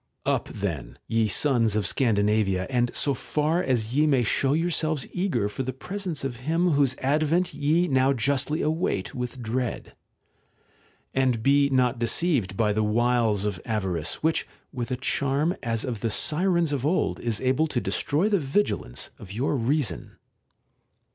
Up then, ye sons of Scandinavia, and so far as ye may show yourselves eager for the presence of him whose advent ye now justly await with dread. And be not deceived by the wiles of avarice, which witH a charm as of the Sirens of old is able to destroy the vigilance of your reason.